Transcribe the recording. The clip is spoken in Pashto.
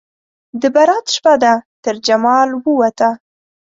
د برات شپه ده ترجمال ووته